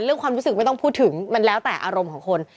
ความรู้สึกไม่ต้องพูดถึงมันแล้วแต่อารมณ์ของคน